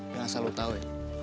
dan asal lo tau ya